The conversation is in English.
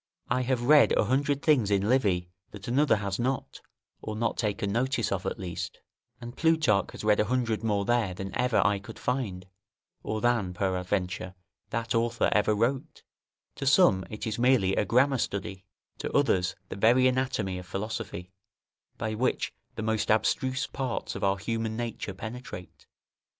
I have read a hundred things in Livy that another has not, or not taken notice of at least; and Plutarch has read a hundred more there than ever I could find, or than, peradventure, that author ever wrote; to some it is merely a grammar study, to others the very anatomy of philosophy, by which the most abstruse parts of our human nature penetrate.